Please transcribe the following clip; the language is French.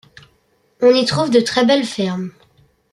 On y trouve de très belles fermes.